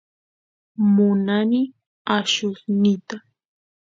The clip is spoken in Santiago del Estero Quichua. munani allusniyta